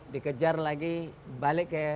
dikejar lagi balik ke orang utara